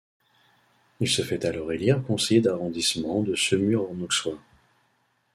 Il se fait alors élire conseiller d'arrondissement de Semur-en-Auxois.